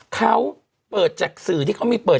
เขาเปิดจากสื่อที่เขามีเปิด